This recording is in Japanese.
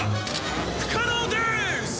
不可能でーす！